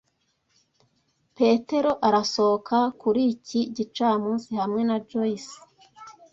Petero arasohoka kuri iki gicamunsi hamwe na Joyce.